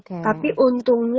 kita beli menggunakan itu